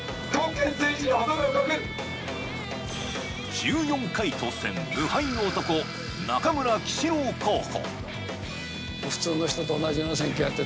１４回当選、無敗の男中村喜四郎候補。